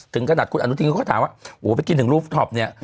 ถึงขนาดคุณอนุทินเขาก็ถามว่าโหไปกินถึงรูปท็อปเนี่ย